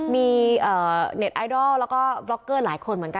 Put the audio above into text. มีเน็ตไอดอลแล้วก็บล็อกเกอร์หลายคนเหมือนกัน